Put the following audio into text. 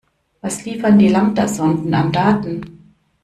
Was liefern die Lambda-Sonden an Daten?